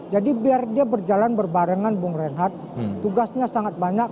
jadi biar dia berjalan berbarengan bung renhard tugasnya sangat banyak